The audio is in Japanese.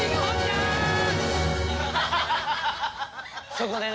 そこでね